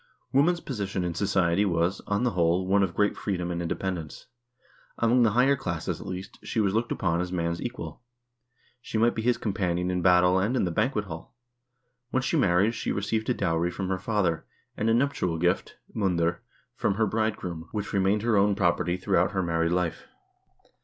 1 Woman's position in society was, on the whole, one of great freedom and independence. Among the higher classes, at least, she was looked upon as man's equal. She might be his companion in battle and in the banquet hall ; when she married, she received a dowry from her father, and a nuptial gift (mundr) from her bridegroom, which remained her own property throughout her married life.